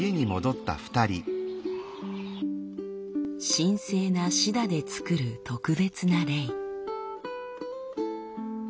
神聖なシダで作る特別なレイ。